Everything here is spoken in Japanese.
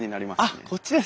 あっこっちですね。